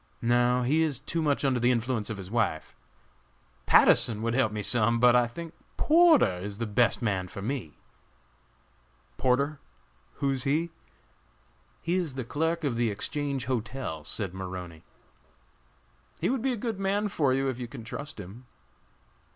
No, he is too much under the influence of his wife! Patterson would help me some; but I think Porter is the best man for me!" "Porter? who is he?" "He is the clerk of the Exchange Hotel," said Maroney. "He would be a good man for you if you can trust him."